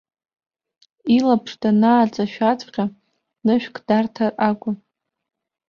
Илаԥш данааҵашәаҵәҟьа нышәк дарҭар акәын.